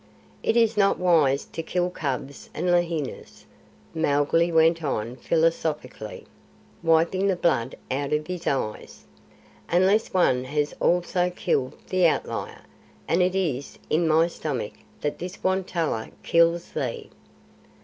"It is not wise to kill cubs and lahinis," Mowgli went on philosophically, wiping the blood out of his eyes, "unless one has also killed the Outlier; and it is in my stomach that this Won tolla kills thee."